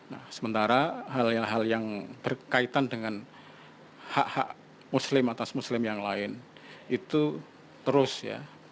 nah sementara hal hal yang berkaitan dengan hak hak muslim atas muslim yang lain itu terus ya